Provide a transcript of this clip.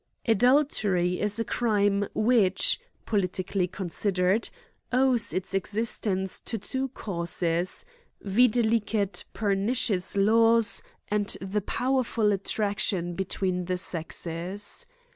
Adultery is a crime which, politically consider ed, owes its existence to two causes, viz. perni lis AX ESSAY ON cious laws, and the powerful attraction between the sexes.